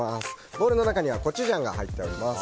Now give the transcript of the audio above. ボウルの中にはコチュジャンが入っています。